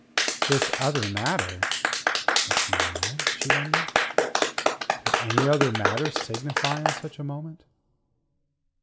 "This other matter?" Was he mad, she wondered. Could any other matter signify in such a moment.